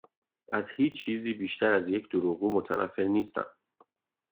از هیچ چیزی بیشتر از یک دروغگو متنفر نیستم.